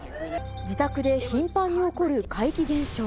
自宅で頻繁に起こる怪奇現象。